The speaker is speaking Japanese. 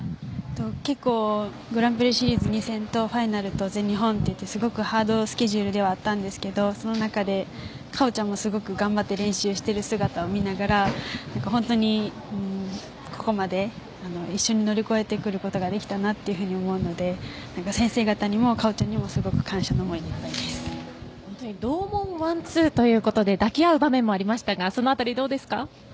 結構、グランプリシリーズ２戦とファイナルと全日本はすごくハードスケジュールではあったんですけどその中で、かおちゃんも、すごく頑張って練習してる姿を見ながら本当にここまで一緒に乗り越えてくることができたと思うので先生方にも、かおちゃんにも同門ワンツーということで抱き合う場面もありましたがその辺りどうですか？